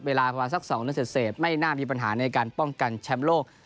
เวลาประมาณสัก๒นาทีเสร็จไม่น่ามีปัญหาในการป้องกันแชมป์โลก